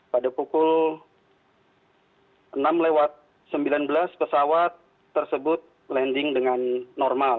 pada pukul enam lewat sembilan belas pesawat tersebut landing dengan normal